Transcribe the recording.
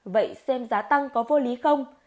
vậy xem giá tăng có vô lý không